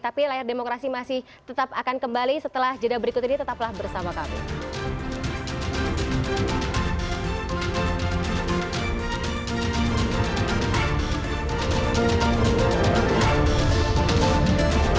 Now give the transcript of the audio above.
tapi layar demokrasi masih tetap akan kembali setelah jeda berikut ini tetaplah bersama kami